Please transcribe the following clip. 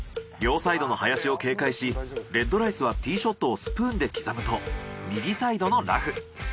両サイドの林を警戒しＲＥＤＲＩＣＥはティショットをスプーンで刻むと右サイドのラフ。